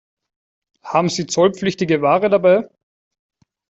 Haben Sie zollpflichtige Ware dabei?